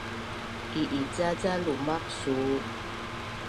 I’ica ca lumaq suu?